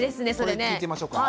これ聞いてみましょうか。